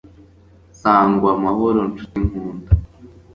sangw'amahoro ncuti nkunda